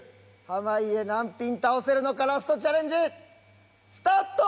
濱家何ピン倒せるのかラストチャレンジスタート！